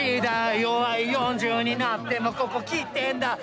齢４０になってもここ来てんだ！